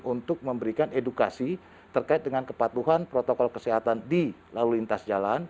untuk memberikan edukasi terkait dengan kepatuhan protokol kesehatan di lalu lintas jalan